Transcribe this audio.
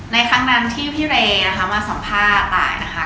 ครั้งนั้นที่พี่เรย์นะคะมาสัมภาษณ์ตายนะคะ